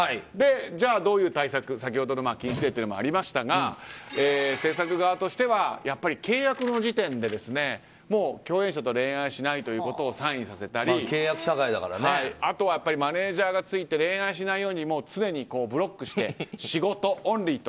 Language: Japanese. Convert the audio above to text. じゃあ、どういう対策先ほどの禁止令というのもありましたが、制作側としては契約の時点で共演者と恋愛しないということをサインさせたりあとは、マネジャーがついて恋愛しないように常にブロックして仕事オンリーと。